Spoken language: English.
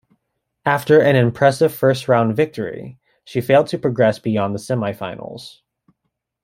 After an impressive first-round victory, she failed to progress beyond the semi-finals.